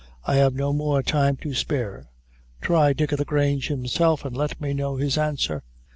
I have no more time to spare try Dick o' the Grange himself, and let me know his answer."